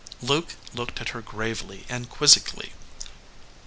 Luke looked at her gravely and quizzically.